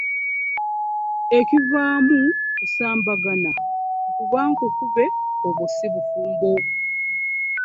Ekivaamu kusambagana, nkuba nkukube obwo ssi bufumbo.